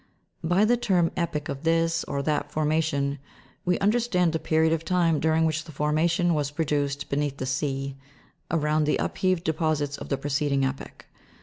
By the term epoch of this or that formation, we understand the period of time during "which the formation was produced beneath the sea, around the upheaved deposits of the preceding epoch.